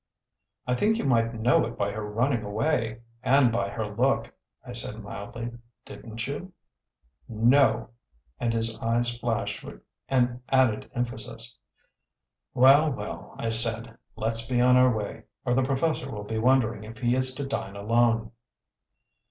"I think you might know it by her running away and by her look," I said mildly. "Didn't you?" "NO!" And his eyes flashed an added emphasis. "Well, well," I said, "let's be on our way, or the professor will be wondering if he is to dine alone."